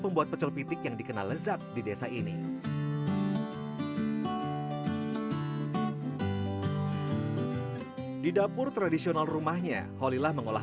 pembuat pecel pitik yang dikenal lezat di desa ini di dapur tradisional rumahnya holilah mengolah